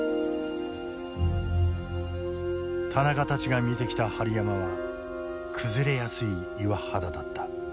田中たちが見てきた針山は崩れやすい岩肌だった。